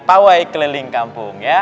pawai keliling kampung